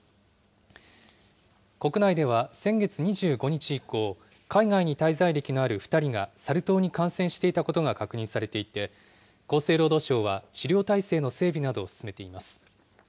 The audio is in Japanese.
国内では先月２５日以降、海外に滞在歴のある２人がサル痘に感染していたことが確認されていて、厚生労働省は治療体制の整備などを進めています。